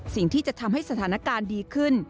สิ่งที่จะทำให้สถานการณ์ดีขึ้น